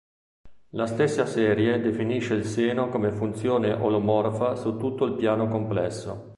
La stessa serie definisce il seno come funzione olomorfa su tutto il piano complesso.